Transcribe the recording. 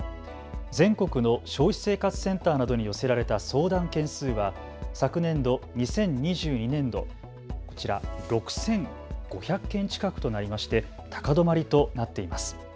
全国の消費生活センターなどに寄せられた相談件数は昨年度２０２２年度、こちら、６５００件近くとなりまして、高止まりとなっています。